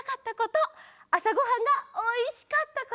あさごはんがおいしかったこと。